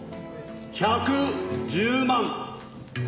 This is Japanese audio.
１１０万。